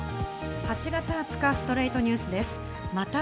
８月２０日、『ストレイトニュース』です。